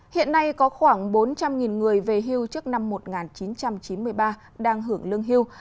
hiện nay có khoảng bốn trăm linh người về hưu trước năm một nghìn chín trăm chín mươi ba đang hưởng lương hưu